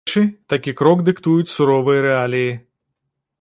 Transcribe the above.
Дарэчы, такі крок дыктуюць суровыя рэаліі.